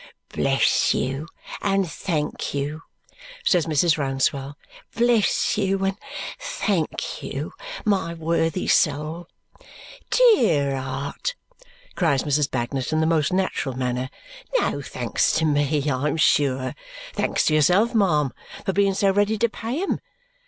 "Bless you, and thank you," says Mrs. Rouncewell. "Bless you, and thank you, my worthy soul!" "Dear heart!" cries Mrs. Bagnet in the most natural manner. "No thanks to me, I am sure. Thanks to yourself, ma'am, for being so ready to pay 'em!